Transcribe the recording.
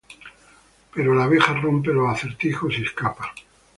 Pero la abeja rompe los acertijos y escapa.